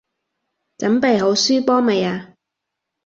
準備好輸波未啊？